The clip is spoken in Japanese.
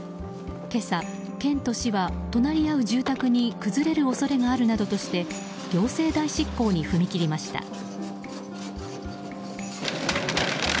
今朝、県と市は隣り合う住宅に崩れる恐れがあるなどとして行政代執行に踏み切りました。